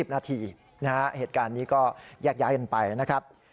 นาทีนะฮะเหตุการณ์นี้ก็แยกย้ายกันไปนะครับ